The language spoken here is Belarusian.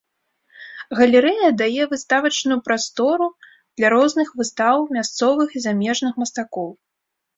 Галерэя дае выставачную прастору для розных выстаў мясцовых і замежных мастакоў.